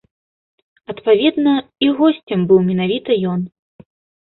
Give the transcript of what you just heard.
Адпаведна, і госцем быў менавіта ён.